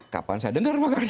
kapan saya dengar makarnya